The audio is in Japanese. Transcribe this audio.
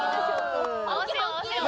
合わせよう合わせよう。